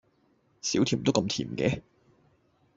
少甜都咁甜嘅？